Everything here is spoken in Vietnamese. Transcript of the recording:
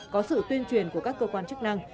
có sự tuyên truyền của các cơ quan chức năng